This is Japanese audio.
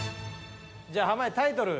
じゃ濱家タイトル。